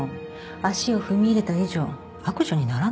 足を踏み入れた以上悪女にならなきゃ。